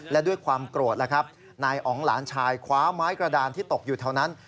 และด้วยความโกรธแล้วครับนายอ๋องหลานชายคว้าไม้กระดานที่ตกอยู่แถวนั้น